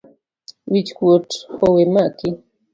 Wich kuot owemaki